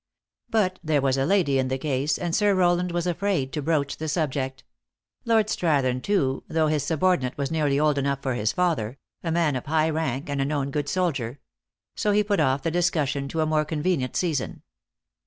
But there was a lady in the case, and Sir Rowland was afraid to broach the subject ; Lord Strathern, too, though his subordinate was nearly old enough for his father a man of high rank, and a known good soldier ; so he put oif the discussion to a more convenient season.